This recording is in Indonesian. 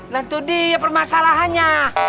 lantudi apa masalahnya